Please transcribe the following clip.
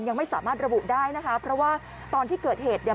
ยังไม่สามารถระบุได้นะคะเพราะว่าตอนที่เกิดเหตุเนี่ย